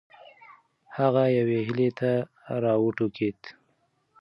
هغه یوې هیلې ته راوټوکېده.